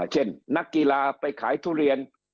เช่นนักกีฬาไปขายทุเรียน